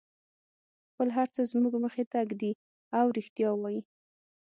خپل هر څه زموږ مخې ته ږدي او رښتیا وایي.